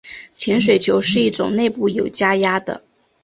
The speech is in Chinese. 潜水球是一种内部有加压的。